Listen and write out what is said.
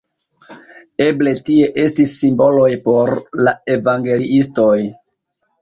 Eble tie estis simboloj por la evangeliistoj.